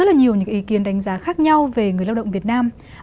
có rất nhiều ý kiến đánh giá khác nhau về người lao động việt nam